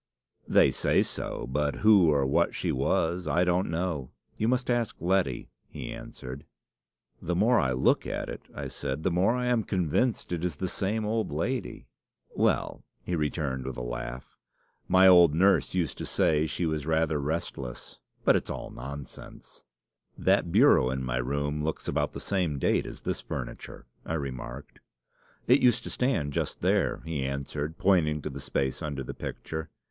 "'They say so; but who or what she was, I don't know. You must ask Letty," he answered. "'The more I look at it,' I said, 'the more I am convinced it is the same old lady.' "'Well,' he returned with a laugh, 'my old nurse used to say she was rather restless. But it's all nonsense.' "'That bureau in my room looks about the same date as this furniture,' I remarked. "'It used to stand just there,' he answered, pointing to the space under the picture.